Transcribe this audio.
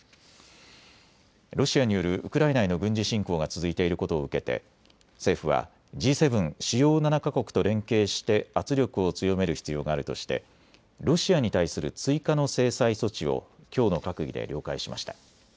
ロシアによるウクライナへの軍事侵攻が続いていることを受けて政府はＧ７・主要７か国と連携して圧力を強める必要があるとしてロシアに対する追加の制裁措置をきょうの閣議で了解しました。